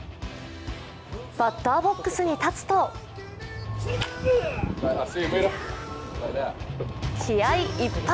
バッターボックスに立つと気合い一発